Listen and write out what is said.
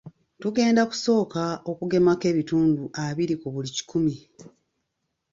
Tugenda kusooka okugemako ebitundu abiri ku buli kikumi.